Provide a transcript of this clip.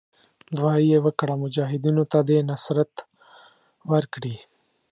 دعا یې وکړه مجاهدینو ته دې نصرت ورکړي.